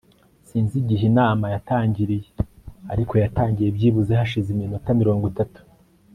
Sinzi igihe inama yatangiriye ariko yatangiye byibuze hashize iminota mirongo itatu